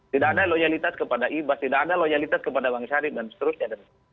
tidak ada loyalitas kepada ibas tidak ada loyalitas kepada bang syarif dan seterusnya